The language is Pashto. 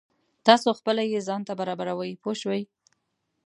تاسو خپله یې ځان ته برابروئ پوه شوې!.